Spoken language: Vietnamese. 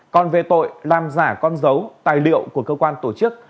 còn về tội làm giả con dấu tài liệu của cơ quan tổ chức